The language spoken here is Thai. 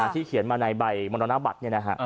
เขียนมาในใบมรณบัตร